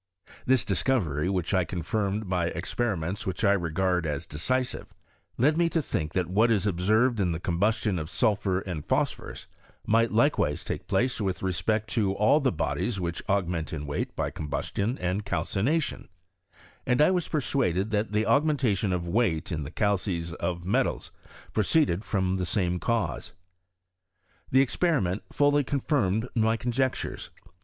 This discovery y which I confirmed by experi ments which I regard as decisiYe, led me to think that what is observed in the combustion of sulphur and phosphorus, might likewise take place with respect to all the bodies which augment in weig^ by combustion and calcination; and I was per suaded that the augmentation of weight in die calces of metals proceeded from the same cause. The experiment fully confirmed my conjectures.